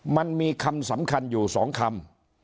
มันมีคำสำคัญอยู่๒คำ